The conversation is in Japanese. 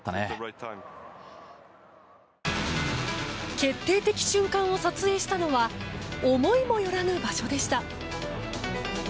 決定的瞬間を撮影したのは思いもよらぬ場所でした。